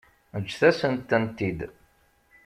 Ǧǧet-asen-tent-id.